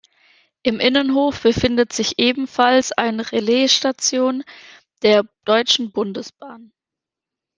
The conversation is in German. Im Innenhof befindet sich ebenfalls ein Relaisstation der Deutschen Bundesbahn.